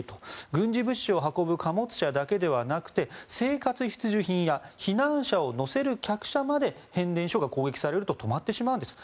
軍事物資を運ぶ貨物車だけではなくて生活必需品や避難者を乗せる客車まで変電所が攻撃されると止まってしまうんです。